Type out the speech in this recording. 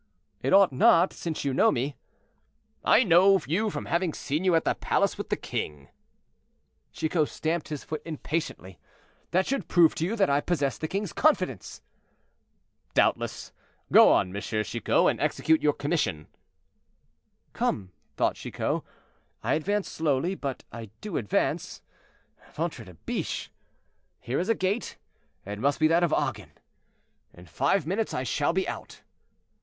"It ought not, since you know me." "I know you from having seen you at the palace with the king." Chicot stamped his foot impatiently. "That should prove to you that I possess the king's confidence." "Doubtless; go on, M. Chicot, and execute your commission." "Come," thought Chicot, "I advance slowly, but I do advance. Ventre de biche! here is a gate; it must be that of Agen; in five minutes I shall be out."